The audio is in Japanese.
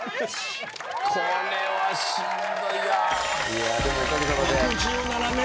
これはしんどいわ。